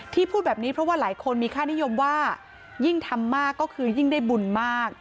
พูดแบบนี้เพราะว่าหลายคนมีค่านิยมว่ายิ่งทำมากก็คือยิ่งได้บุญมาก